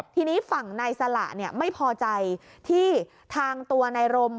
ทีนี้ฝั่งนายสละไม่พอใจที่ทางตัวนายรม